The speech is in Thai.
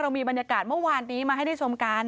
มีบรรยากาศเมื่อวานนี้มาให้ได้ชมกัน